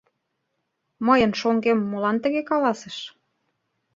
Мыйын шоҥгем молан тыге каласыш?